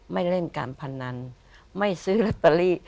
ไม่เล่นการพนันไม่ซื้อลอตเตอรี่